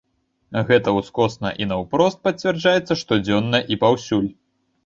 Гэта ўскосна і наўпрост пацвярджаецца штодзённа і паўсюль.